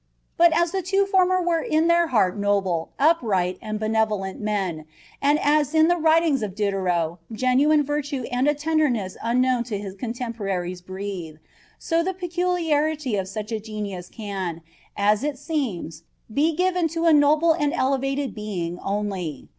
But as the two former were in their heart noble, upright, and benevolent men, and as in the writings of Diderot genuine virtue and a tenderness unknown to his contemporaries breathe, so the peculiarity of such a genius can, as it seems, be given to a noble and elevated being only.